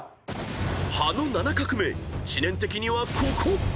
［「葉」の７画目知念的にはここ！］